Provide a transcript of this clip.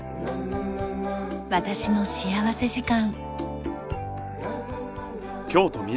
『私の幸福時間』。